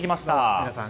皆さん